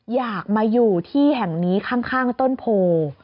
อยากมาอยู่ที่แห่งนี้ข้างต้นโพ